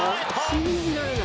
信じられない！